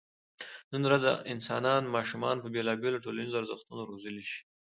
نن ورځ انسانان ماشومان په بېلابېلو ټولنیزو ارزښتونو روزلی شي.